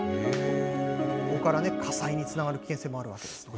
ここから火災につながる危険性もあるわけですね。